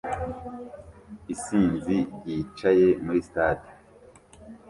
Isinzi ryicaye muri stade